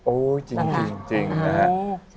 โอ้ยจริงจริงนะฮะ